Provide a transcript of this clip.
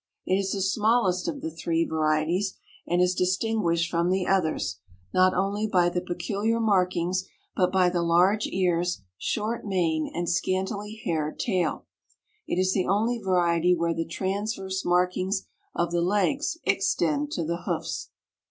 It is the smallest of the three varieties, and is distinguished from the others, not only by the peculiar markings, but by the large ears, short mane and scantily haired tail. It is the only variety where the transverse markings of the legs extend to the hoofs.